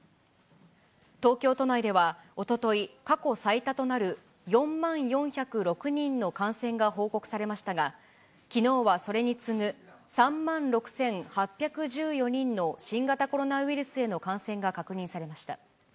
東京都内では、おととい、過去最多となる４万４０６人の感染が報告されましたが、きのうはそれに次ぐ、３万６８１４人の新型コロナウイルスへの感染が確認されました。